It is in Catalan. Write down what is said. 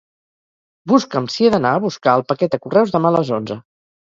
Busca'm si he d'anar a buscar el paquet a correus demà a les onze.